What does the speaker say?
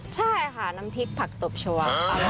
ใช่ค่ะน้ำพริกผักตบชาวา